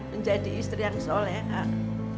menjadi istri yang solehah